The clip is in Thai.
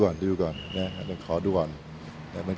เช่นท่วงที่ไปทำเริ่มการมาจับเองอย่างไรก็ได้ครับ